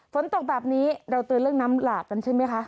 ฝนตกแบบนี้เราเตือนเรื่องน้ำหลาดกันใช่ไหมคะ